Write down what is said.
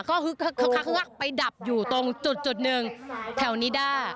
ก็ค่อยไปดับอยู่ตรงจุดหนึ่งแถวนี้ได้